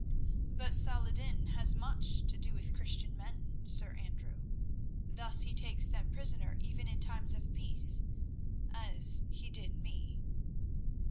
"But Saladin has much to do with Christian men, Sir Andrew. Thus he takes them prisoner even in times of peace, as he did me."